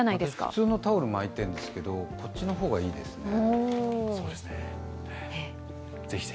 普通のタオル巻いてるんですけど、こっちの方がいいですね。